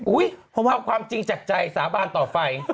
เอาความจริงจากใจสาบานต่อไป